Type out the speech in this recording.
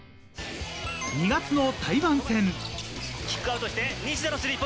２月の台湾戦。